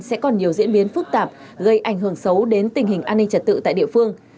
sẽ còn nhiều diễn biến phức tạp gây ảnh hưởng xấu đến tình hình an ninh trật tự tại địa phương